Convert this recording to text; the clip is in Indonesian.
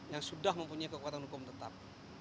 yang sudah mempunyai kekuatan hukum tetap